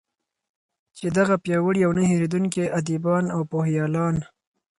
چې دغه پیاوړي او نه هیردونکي ادېبان او پوهیالان